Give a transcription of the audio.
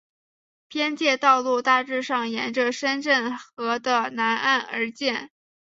边界道路大致上沿着深圳河的南岸而建。